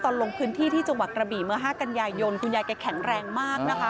ลงพื้นที่ที่จังหวัดกระบี่เมื่อ๕กันยายนคุณยายแกแข็งแรงมากนะคะ